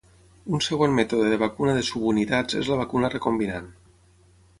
Un segon mètode de vacuna de subunitats és la vacuna recombinant.